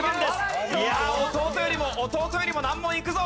弟よりも弟よりも難問いくぞ！